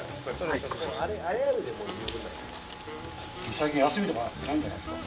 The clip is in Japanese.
最近休みとかないんじゃないですか？